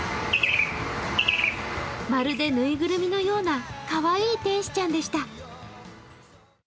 まるでぬいぐるみのようなかわいい天使ちゃんでした。